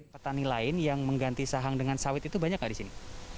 petani lain yang mengganti sahang dengan sawit itu banyak nggak di sini